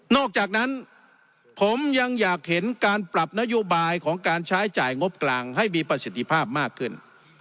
อกจากนั้นผมยังอยากเห็นการปรับนโยบายของการใช้จ่ายงบกลางให้มีประสิทธิภาพมากขึ้น